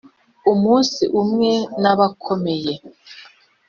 umunsi umwe naba nkomeye.